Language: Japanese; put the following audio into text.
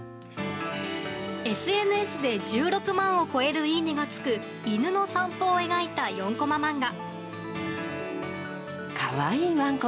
ＳＮＳで１６万を超えるいいねがつく犬の散歩を描いた４コマ漫画。